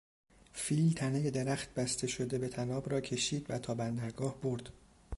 فیل تنهی درخت بسته شده به طناب را کشید و تا بندرگاه برد.